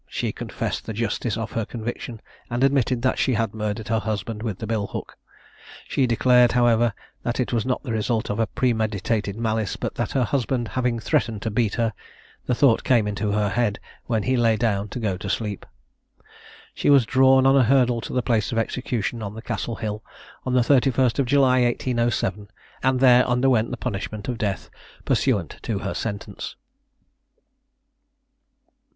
She confessed the justice of her conviction, and admitted that she had murdered her husband with the bill hook. She declared, however, that it was not the result of premeditated malice, but that her husband having threatened to beat her, the thought came into her head when he lay down to go to sleep. She was drawn on a hurdle to the place of execution on the Castle hill, on the 31st of July 1807, and there underwent the punishment of death pursuant to her sentence.